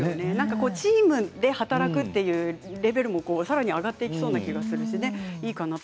チームで働くというレベルもさらに上がっていくと思いますよね。